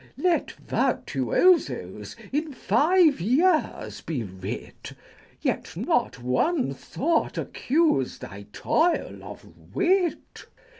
Let Virtuosos 1 in five years be writ ; Yet not one thought accuse thy toil of wit.